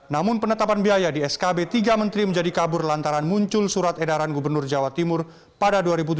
namun penetapan biaya di skb tiga menteri menjadi kabur lantaran muncul surat edaran gubernur jawa timur pada dua ribu tujuh belas